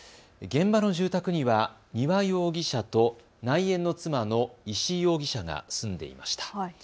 現場の住宅には丹羽容疑者と内縁の妻の石井容疑者が住んでいました。